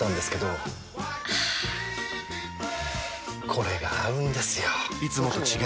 これが合うんですよ！